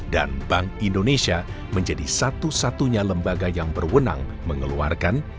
dan bank indonesia menjadi satu satunya lembaga yang berwenang mengeluarkan